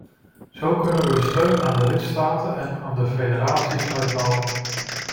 Zo kunnen we de steun aan de lidstaten en aan de federaties uitbouwen.